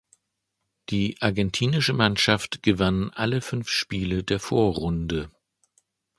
Die Argentinische Mannschaft gewann alle fünf Spiele der Vorrunde.